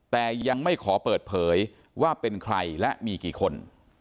แต่ยังไม่ขอเปิดเผยว่าเป็นใครและมีกี่คน